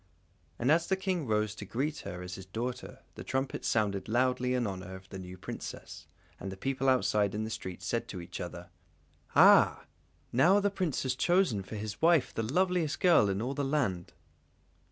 And as the King rose to greet her as his daughter, the trumpets sounded loudly in honour of the new Princess, and the people outside in the street said to each other: "Ah! now the Prince has chosen for his wife the loveliest girl in all the land!"